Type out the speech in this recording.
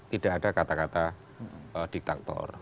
tidak ada kata kata diktator